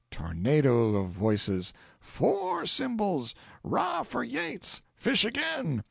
Tornado of Voices. "Four Symbols!" "'Rah for Yates!" "Fish again!"